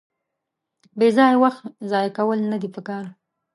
بېځایه وخت ځایه کول ندي پکار.